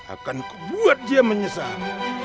akanku buat dia menyesal